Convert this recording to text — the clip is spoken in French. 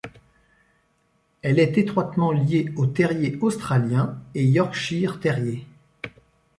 Elle est étroitement liée aux Terrier australien et Yorkshire Terrier.